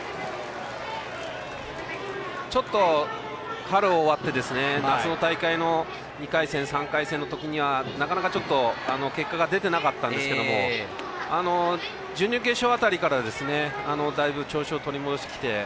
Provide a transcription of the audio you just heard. ちょっと春終わって夏の大会の２回戦３回戦の時にはなかなか結果が出てなかったんですけど準々決勝辺りからだいぶ調子を取り戻してきて。